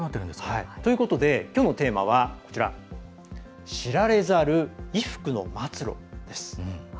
ということで、きょうのテーマは知られざる衣服の末路です。